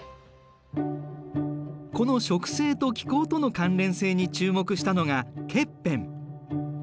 この植生と気候との関連性に注目したのがケッペン。